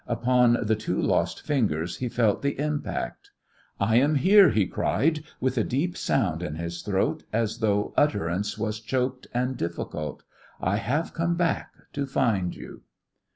Upon the two lost fingers he felt the impact. "I am here," he cried, with a deep sound in his throat as though utterance was choked and difficult. "I have come back to find you."